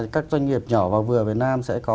các doanh nghiệp nhỏ và vừa việt nam sẽ có